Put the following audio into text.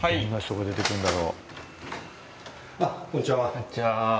こんにちは。